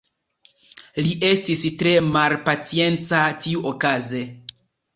Li estis tre malpacienca tiuokaze.